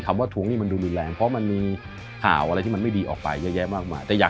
ว่าทวงหนี้มันดูรุนแรงเพราะมันมีข่าวอะไรที่มันไม่ดีออกไปเยอะแยะมากมายแต่อยาก